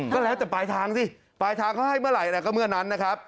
ก็แล้วแต่ปลายทางสิปลายทางเขาให้เมื่อไหร่ก็เมื่อนั้นนะครับ